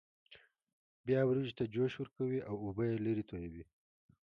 بیا وریجو ته جوش ورکوي او اوبه یې لرې تویوي.